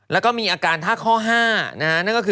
แล้วก็มีอาการท่าข้อ๕